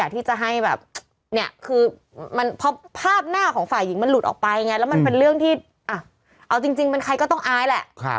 แต่เอาจริงเป็นใครก็ต้องอายละ